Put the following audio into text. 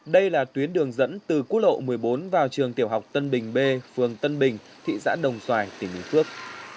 đây là tuyến đường dẫn từ quốc lộ một mươi bốn vào trường tiểu học tân bình b phường tân bình thị xã đồng xoài tỉnh bình phước